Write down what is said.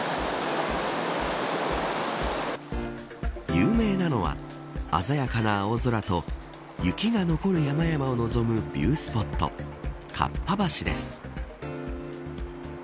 有名なのは鮮やかな青空と雪が残る山々を望むビュースポット、河童橋です。